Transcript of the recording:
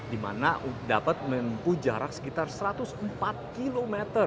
di mana dapat menempuh jarak sekitar satu ratus empat km